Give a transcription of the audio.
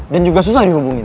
dan juga susah dihubungin